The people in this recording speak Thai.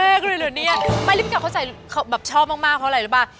เอิ้นาเขาแบบชอบมากเพราะอะไรรึเปล่า